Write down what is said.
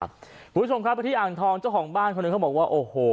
คุณผู้ชมครับกระที่อ่างทองเจ้าของบ้านเขาบอกว่าโอโห